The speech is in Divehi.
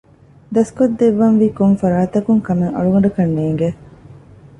ދަސްކޮށްދެއްވަންވީ ކޮންފަރާތަކުން ކަމެއް އަޅުގަނޑަކަށް ނޭނގެ